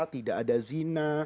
tidak ada zina